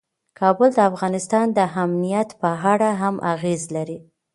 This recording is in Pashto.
کابل د افغانستان د امنیت په اړه هم اغېز لري.